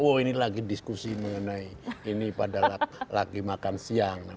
oh ini lagi diskusi mengenai ini pada lagi makan siang